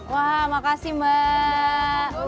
wah makasih mbak